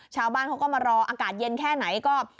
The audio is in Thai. ชาวบ้านเขาก็มารออากาศเย็นแค่ไหนก็